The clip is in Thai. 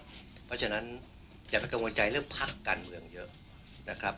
เพราะฉะนั้นอย่าไปกังวลใจเรื่องพักการเมืองเยอะนะครับ